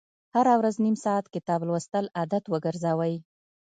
هره ورځ نیم ساعت کتاب لوستل عادت وګرځوئ.